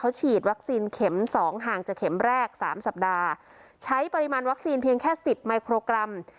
ฉีดวัคซีนเข็มสองห่างจากเข็มแรกสามสัปดาห์ใช้ปริมาณวัคซีนเพียงแค่สิบไมโครกรัม